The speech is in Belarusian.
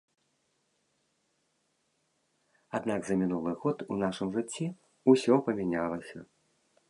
Аднак за мінулы год у нашым жыцці ўсё памянялася.